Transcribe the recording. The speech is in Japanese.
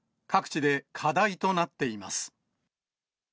各地で課題となっています。